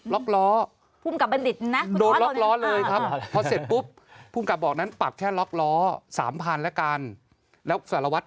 ร้องคล้อพื้นกับอันดิจนะโดยรอดเลยครับพอเสร็จปุ๊บปุ๊บกลับบอกมันปากแค่รอกล้อสามพันบาทอาการแล้วสารวัสดิ์